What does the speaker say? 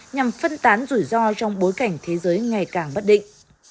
nhằm phân tán rủi ro trong bối cảnh thế giới ngày càng bất định